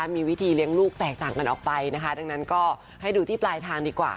มีวิธีเลี้ยงลูกแตกต่างกันออกไปนะคะดังนั้นก็ให้ดูที่ปลายทางดีกว่า